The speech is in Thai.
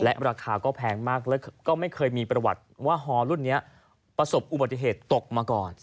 ราคาก็แพงมากแล้วก็ไม่เคยมีประวัติว่าฮอรุ่นนี้ประสบอุบัติเหตุตกมาก่อน